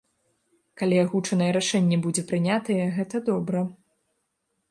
Калі агучанае рашэнне будзе прынятае, гэта добра.